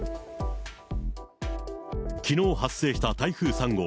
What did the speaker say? きのう発生した台風３号。